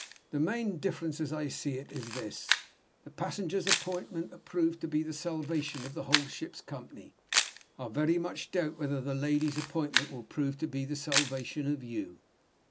The main difference, as I see it, is this. The passenger's appointment proved to be the salvation of a whole ship's company. I very much doubt whether the lady's appointment will prove to be the salvation of You."